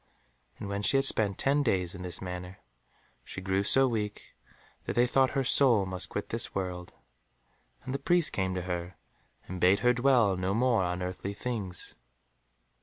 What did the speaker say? And when she had spent ten days in this manner, she grew so weak that they thought her soul must quit this world, and the priest came to her, and bade her dwell no more on earthly things.